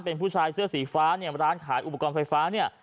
เป็นผู้ชายเสื้อสีฟ้าเนี่ยร้านขายอุปกรณ์ไฟฟ้าเนี่ย